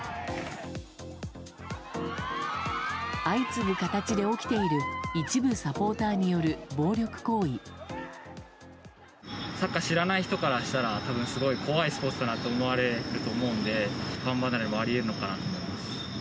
相次ぐ形で起きている、サッカー知らない人からしたら、たぶん、すごい怖いスポーツだなと思われると思うので、ファン離れもありえるのかなと思います。